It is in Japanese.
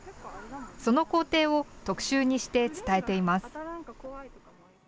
その工程を特集にして伝えています。